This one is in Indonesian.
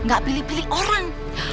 gak pilih pilih orang